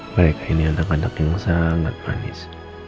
baik ini anak anak yang sangat manis